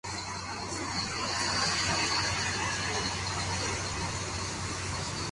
Educado en Derecho en la Real Universidad de San Felipe.